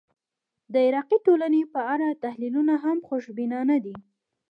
د عراقي ټولنې په اړه تحلیلونه هم خوشبینانه دي.